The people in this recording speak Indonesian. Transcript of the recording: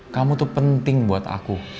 kamu tuh penting buat aku